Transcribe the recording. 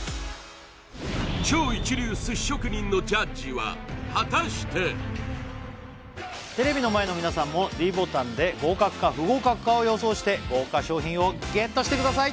超一流寿司職人のジャッジは果たしてテレビの前の皆さんもｄボタンで合格か不合格かを予想して豪華賞品をＧＥＴしてください